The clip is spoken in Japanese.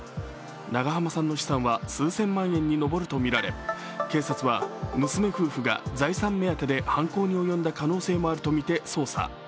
長濱さんの資産は数千万円に上るとみられ警察は娘夫婦が財産目当てで犯行に及んだ可能性もあるとみて捜査。